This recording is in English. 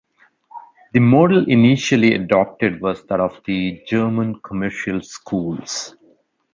The model initially adopted was that of the German commercial schools.